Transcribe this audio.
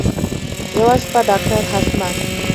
یوه شپه ډاکټر حشمت